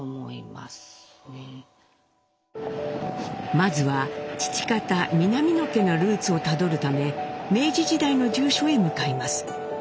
まずは父方南野家のルーツをたどるため明治時代の住所へ向かいます。